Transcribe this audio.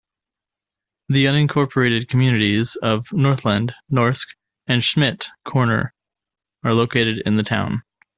The unincorporated communities of Northland, Norske, and Schmidt Corner are located in the town.